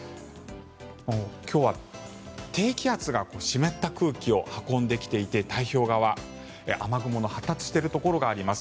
今日は低気圧が湿った空気を運んできていて太平洋側、雨雲の発達しているところがあります。